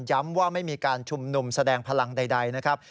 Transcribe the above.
ว่าไม่มีการชุมนุมแสดงพลังใดนะครับ